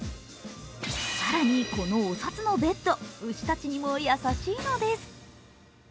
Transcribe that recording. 更に、このお札のベッド、牛たちにも優しいのです。